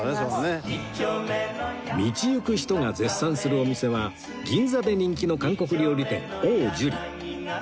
道行く人が絶賛するお店は銀座で人気の韓国料理店王十里